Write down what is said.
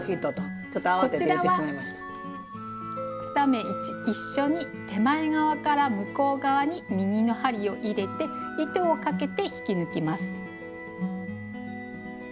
２目一緒に手前側から向こう側に右の針を入れて糸をかけて引き抜きます。